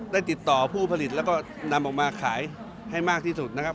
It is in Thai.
ได้ติดต่อผู้ผลิตแล้วก็นำออกมาขายให้มากที่สุดนะครับ